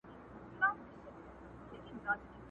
زموږ پر مځکه په هوا کي دښمنان دي؛